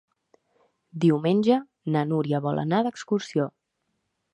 Diumenge na Núria vol anar d'excursió.